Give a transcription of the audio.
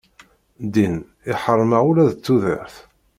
Ddin iḥeṛṛem-aɣ ula d tudert.